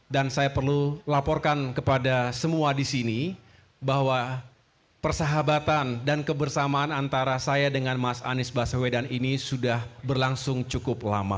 dan saya perlu laporkan kepada semua di sini bahwa persahabatan dan kebersamaan antara saya dengan mas anies baswedan ini sudah berlangsung cukup lama